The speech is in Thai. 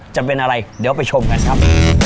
จะเป็นอะไรเดี๋ยวไปชมกันครับ